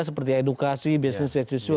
seperti edukasi bisnis etc